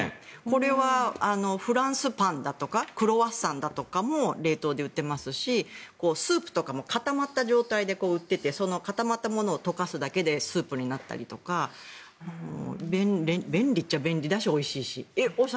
これはフランスパンだとかクロワッサンとかも冷凍で売っていますしスープとかも固まった状態で売っていて固まったものを溶かすだけでスープになったりとか便利っちゃ便利だしおいしいし。